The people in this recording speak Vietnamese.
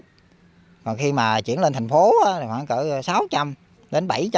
còn khi mà chuyển lên thành phố thì khoảng cỡ sáu trăm linh đến bảy trăm linh